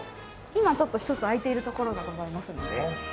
今ちょっと１つあいている所がございますので。